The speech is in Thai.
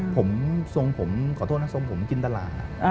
ผมทรงผมขอโทษนะทรงผมกินตลาด